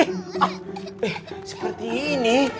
eh seperti ini